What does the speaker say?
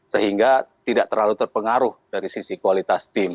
sehingga tidak terlalu terpengaruh dari sisi kualitas tim